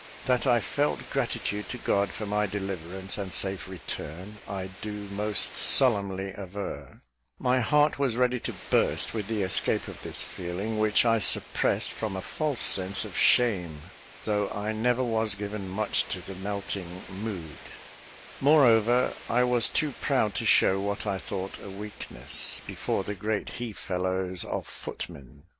That I felt gratitude to God for my deliverance and safe return, I do most solemnly aver; my heart was ready to burst with the escape of this feeling, which I suppressed from a false sense of shame, though I never was given much to the melting mood; moreover, I was too proud to show what I thought a weakness, before the great he fellows of footmen.